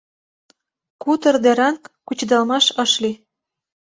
Кутыр деран кучедалмаш ыш лий.